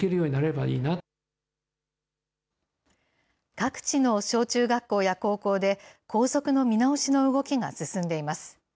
各地の小中学校や高校で、校則の見直しの動きが進んでいます。